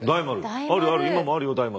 今もあるよ大丸。